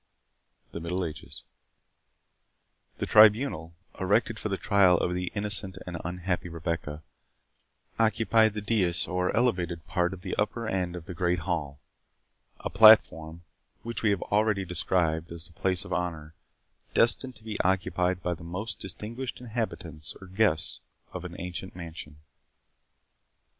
THE MIDDLE AGES The Tribunal, erected for the trial of the innocent and unhappy Rebecca, occupied the dais or elevated part of the upper end of the great hall—a platform, which we have already described as the place of honour, destined to be occupied by the most distinguished inhabitants or guests of an ancient mansion.